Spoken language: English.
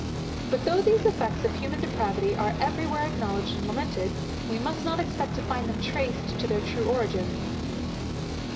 But though these effects of human depravity are every where acknowledged and lamented, we must not expect to find them traced to their true origin.